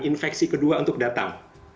infeksi kedua untuk datang